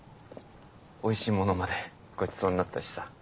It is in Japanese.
おいしいものまでごちそうになったしさ。